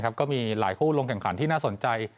ก็มีหลายคู่ลงแข่งขันที่น่าสนใจ